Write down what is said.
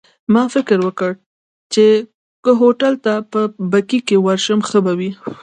ما فکر وکړ، چي که هوټل ته په بګۍ کي ورشم ښه به وي.